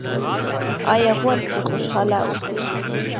ایا غواړئ چې خوشحاله اوسئ؟